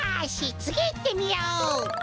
つぎいってみよう！